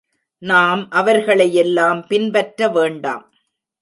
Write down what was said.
நாம் அவர்களை யெல்லாம் பின்பற்ற வேண்டாம்.